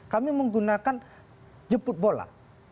kami menggunakan jemput bola